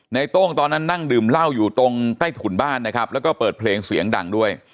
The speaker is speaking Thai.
โต้งตอนนั้นนั่งดื่มเหล้าอยู่ตรงใต้ถุนบ้านนะครับแล้วก็เปิดเพลงเสียงดังด้วย